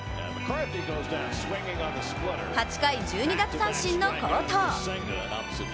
８回１２奪三振の好投。